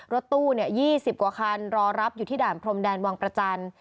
รถตู้๒๐กว่าคันรอรับอยู่ที่ด่านพรมแดนวังประจันทร์